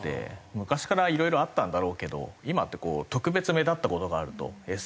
昔からいろいろあったんだろうけど今って特別目立った事があるとＳＮＳで拡散されますし。